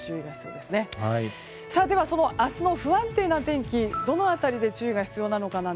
では、明日の不安定な天気どの辺りで注意が必要なのか。